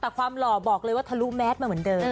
แต่ความหล่อบอกเลยว่าทะลุแมสมาเหมือนเดิม